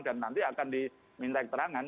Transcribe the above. dan nanti akan diminta keterangan